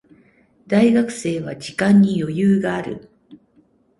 大学生は時間に余裕がある。